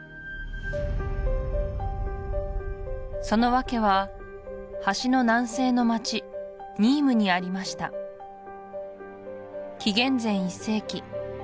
その訳は橋の南西の街ニームにありました紀元前１世紀